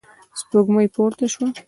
سپوږمۍ پورته شوه.